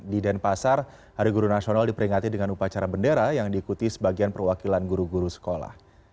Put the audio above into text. di denpasar hari guru nasional diperingati dengan upacara bendera yang diikuti sebagian perwakilan guru guru sekolah